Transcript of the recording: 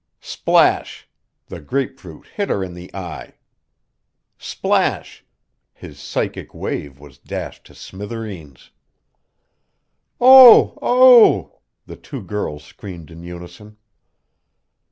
Splash! The grapefruit hit her in the eye! Splash! His psychic wave was dashed to smithereens! "Oh! Oh!" the two girls screamed in unison.